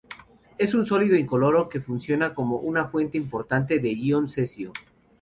Es un sólido incoloro que funciona como una fuente importante de ion cesio.